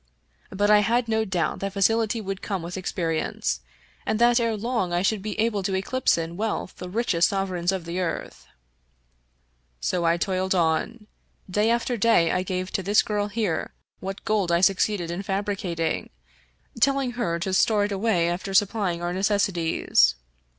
But I had no doubt that facility would come with experience, and that ere long I should be able to eclipse in wealth the richest sovereigns of the earth. " So I toiled on. Day after day I gave to this girl here what gold I succeeded in fabricating, telling her to store it away after supplying our necessities.